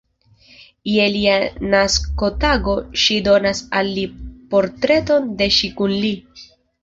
Je lia naskotago ŝi donas al li portreton de ŝi kun li.